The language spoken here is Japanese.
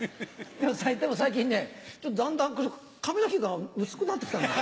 でも最近ね、ちょっとだんだん、髪の毛が薄くなってきたんだよ。